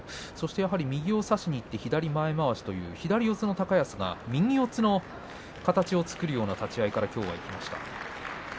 右を差しにいって前まわしという左四つの高安が右四つの形を作るような立ち合いをきょう見せました。